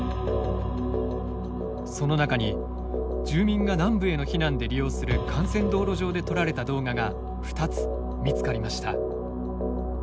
その中に、住民が南部への避難で利用する幹線道路上で撮られた動画が２つ、見つかりました。